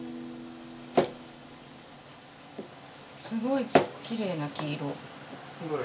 すごいきれいな黄色。どれ？